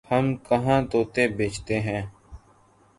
ہم کہاں طوطے بیچتے ہیں